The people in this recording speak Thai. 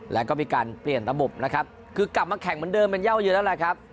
แล้วก็มีการเปลี่ยนระบบนะครับคือกลับมาแข่งเหมือนเดิมเป็นเย่าเยอะแล้วแหละครับ